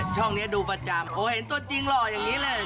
ช่องนี้ดูประจำโอ้เห็นตัวจริงหล่ออย่างนี้เลย